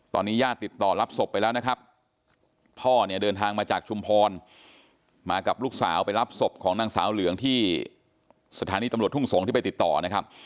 ตอนนี้ญาติติดต่อรับศพไปแล้วนะครับพ่อเนี่ยเดินทางมาจากชุมพรมากับลูกสาวไปรับศพของนางสาวเหลืองที่สถานีตำรวจทุ่งสงศ์ที่ไปติดต่อนะครับ